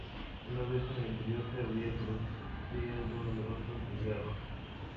Una vez en el interior, se abría, produciendo numerosos desgarros.